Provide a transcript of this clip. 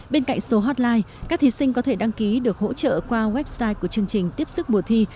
bên cạnh số hotline các thí sinh có thể đăng ký được hỗ trợ qua website của chương trình tiếp sức mùa thi